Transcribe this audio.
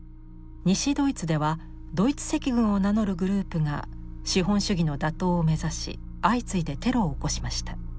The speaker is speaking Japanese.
西ドイツではドイツ赤軍を名乗るグループが資本主義の打倒を目指し相次いでテロを起こしました。